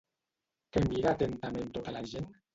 Què mira atentament tota la gent?